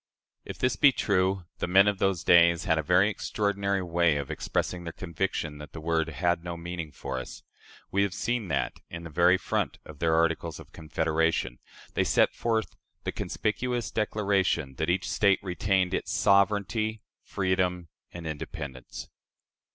" If this be true, "the men of those days" had a very extraordinary way of expressing their conviction that the word "had no meaning for us." We have seen that, in the very front of their Articles of Confederation, they set forth the conspicuous declaration that each State retained "its sovereignty, freedom, and independence."